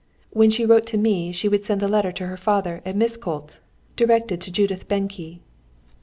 When she wrote to me she would send the letter to her father at Miskolcz, directed to Judith Benke.